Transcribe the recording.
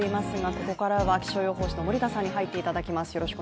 ここからは気象予報士の森田さんに入っていただきます。